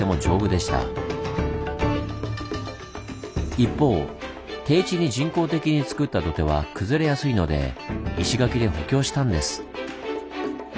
一方低地に人工的につくった土手は崩れやすいので石垣で補強したんです。